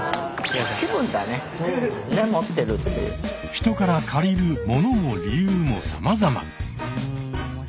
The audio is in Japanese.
人から借りる「もの」も「理由」もさまざま。